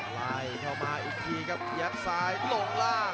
ไล่เข้ามาอีกทีครับยับซ้ายลงล่าง